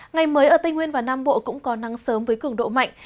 ngày mới ở tây nguyên và nam bộ cũng có nắng sớm với cường độ mạnh